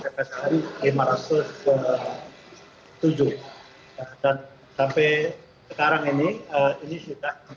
dan sampai sekarang ini ini sudah tiga ratus